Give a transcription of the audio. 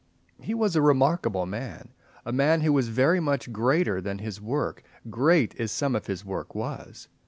He was a remarkable man, a man who was very much greater than his work, great as some of his work was.